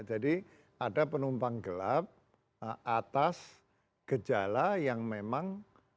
ada penumpang gelap atas gejala yang memang